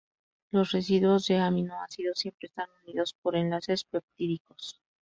Los residuos de aminoácidos siempre están unidos por enlaces peptídicos.